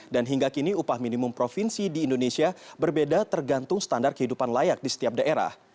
dan hingga kini upah minimum provinsi di indonesia berbeda tergantung standar kehidupan layak di setiap daerah